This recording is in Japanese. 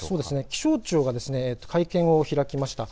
気象庁が会見を開きました。